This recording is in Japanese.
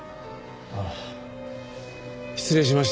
ああ失礼しました。